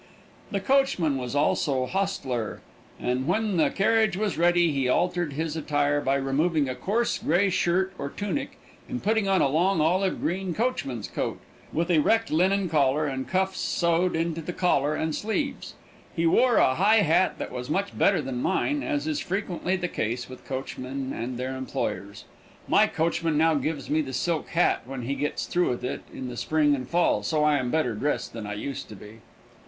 The coachman was also hostler, and when the carriage was ready he altered his attire by removing a coarse, gray shirt or tunic and putting on a long, olive green coachman's coat, with erect linen collar and cuffs sewed into the collar and sleeves. He wore a high hat that was much better than mine, as is frequently the case with coachmen and their employers. My coachman now gives me his silk hat when he gets through with it in the spring and fall, so I am better dressed than I used to be.